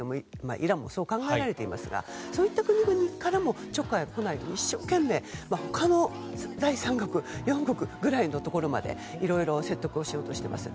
イランもそう考えられていますがそういった国々からもちょっかいが来ないように一生懸命、他の第三国四国ぐらいのところまでいろいろ説得しようとしています。